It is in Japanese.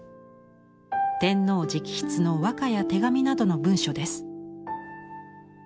天皇直筆の和歌や手紙などの文書です。